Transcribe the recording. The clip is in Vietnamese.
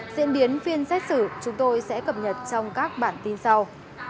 diễn biến phiên xét xử chúng tôi sẽ cập nhật trong các bản tin sau